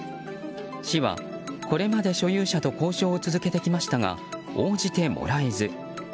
市は、これまで所有者と交渉を続けてきましたが応じてもらえず。